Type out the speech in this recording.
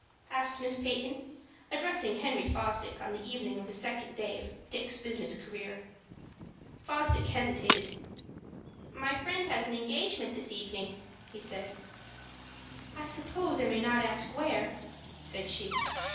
asked Miss Peyton, addressing Henry Fosdick on the evening of the second day of Dick's business career. Fosdick hesitated. "My friend has an engagement this evening," he said. "I suppose I may not ask where," said she.